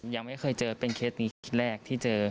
ยังไม่เคยเจอเป็นเคสนี้เคสแรกที่เจอ